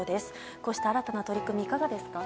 こうした新たな取り組みいかがですか？